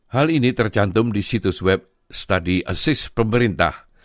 hal ini tercantum di situs web study assis pemerintah